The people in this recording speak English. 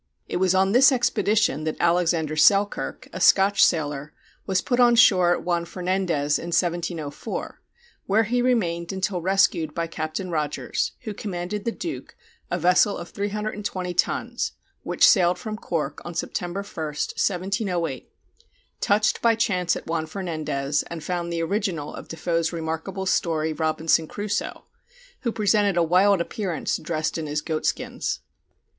It was on this expedition that Alexander Selkirk, a Scotch sailor, was put on shore at Juan Fernandez in 1704, where he remained until rescued by Captain Rogers, who commanded the Duke, a vessel of 320 tons, which sailed from Cork on September 1, 1708, touched by chance at Juan Fernandez, and found the original of Defoe's remarkable story, Robinson Crusoe, who presented a wild appearance dressed in his goatskins.